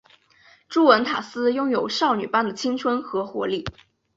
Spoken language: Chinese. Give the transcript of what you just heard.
朱文塔斯拥有少女般的青春和活力。